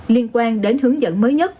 liên quan đến hướng dẫn mới nhất